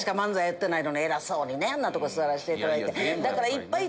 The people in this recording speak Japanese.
偉そうにねあんなとこ座らせていただいて。